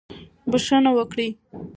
بښنه وکړئ.